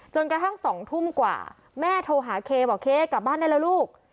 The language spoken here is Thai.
กระทั่ง๒ทุ่มกว่าแม่โทรหาเคบอกเคกลับบ้านได้แล้วลูก